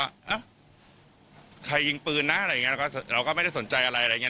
ใส่หลังคาใครยิงปืนนะเราก็ไม่ได้สนใจอะไร